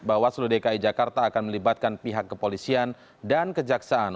bawaslu dki jakarta akan melibatkan pihak kepolisian dan kejaksaan